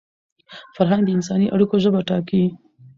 فرهنګ د انساني اړیکو ژبه ټاکي.